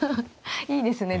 いいですね